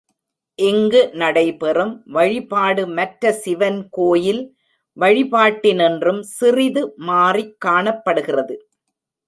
இங்கு நடைபெறும் வழிபாடு மற்ற சிவன் கோயில் வழிபாட்டினின்றும் சிறிது மாறிக் காணப்படுகிறது.